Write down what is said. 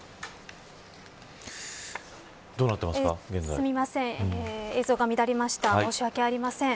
すみません。